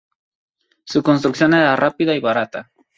Su construcción era rápida y barata.